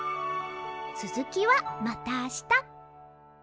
つづきはまたあした！